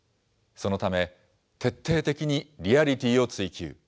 そのため、徹底的にリアリティーを追求。